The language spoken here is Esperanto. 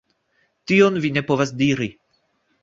Tion vi ne povas diri!